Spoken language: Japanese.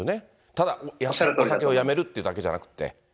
ただお酒をやめるってだけじゃなくて。